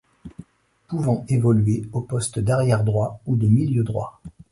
Pouvant évoluer au poste d'arrière droit ou de milieu droit.